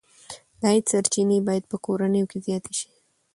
د عاید سرچینې باید په کورنیو کې زیاتې شي.